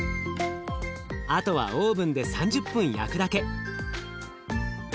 あとはオーブンで３０分焼くだけ。